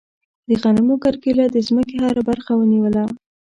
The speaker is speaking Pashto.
د غنمو کرکیله د ځمکې هره برخه ونیوله.